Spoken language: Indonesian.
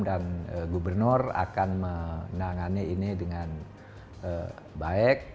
dan gubernur akan menangani ini dengan baik